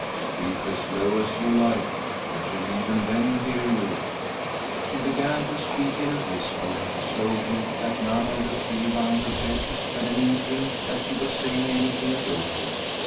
" Speak as low as you like ; I shall even then hear you." She began to speak in a whisper so weak that none of the three around her bed had an inkling that she was saying anything at all.